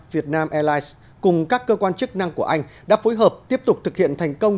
vietnam airlines cùng các cơ quan chức năng của anh đã phối hợp tiếp tục thực hiện thành công